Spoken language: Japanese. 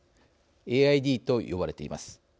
ＡＩＤと呼ばれています。